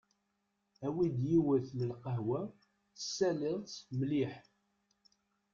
Awi-d yiwet n lqehwa tessaliḍ-tt mliḥ.